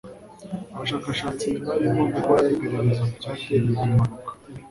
Abashakashatsi barimo gukora iperereza ku cyateye iyi mpanuka